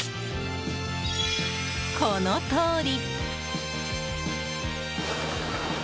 このとおり。